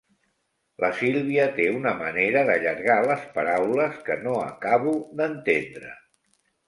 La Sílvia té una manera d'allargar les paraules que no acabo d'entendre.